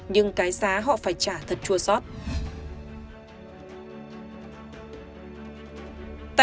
nhưng cái giá họ phải trả thật chua sót